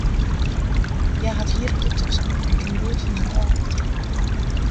Hja hat hier op de tosken en kin goed fan har ôfbite.